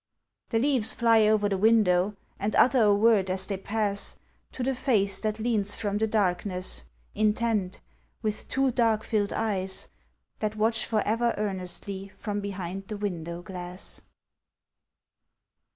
The leaves fly over the window and utter a word as they pass To the face that leans from the darkness, intent, with two dark filled eyes That watch for ever earnestly from behind the window glass.